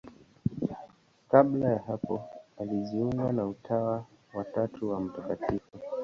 Kabla ya hapo alijiunga na Utawa wa Tatu wa Mt.